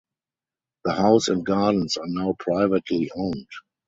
The house and gardens are now privately owned.